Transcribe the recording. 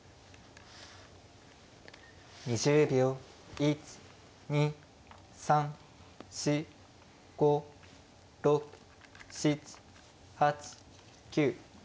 １２３４５６７８９。